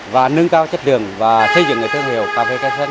và nâng cao chất lượng và xây dựng cái thương hiệu cà phê khe sanh